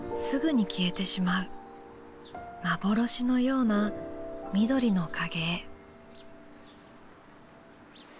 幻のような緑の影絵。